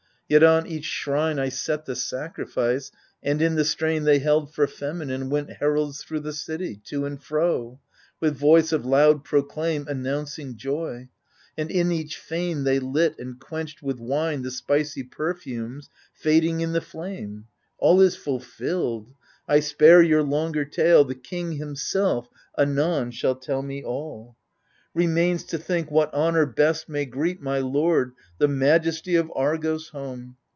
Yet on each shrine I set the sacrifice. And, in the strain they held for feminine, Went heralds thro' the city, to and fro, With voice of loud proclaim, announcing joy , And in each fane they lit and quenched with wine The spicy perfumes fading in the flame. All is fulfilled : I spare your longer tale — The king himself anon shall tell me all. Remains to think what honour best may greet My lord, the majesty of Argos, home.